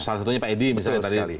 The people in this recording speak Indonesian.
salah satunya pak edi misalnya tadi